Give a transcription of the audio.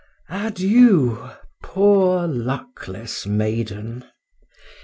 Adieu, poor luckless maiden!